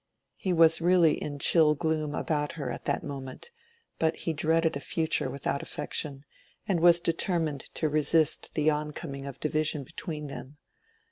He was really in chill gloom about her at that moment, but he dreaded a future without affection, and was determined to resist the oncoming of division between them.